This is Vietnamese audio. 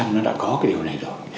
nó đã có cái điều này rồi